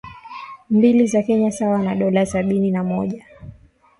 mbili za Kenya sawa na dola sabini na mmoja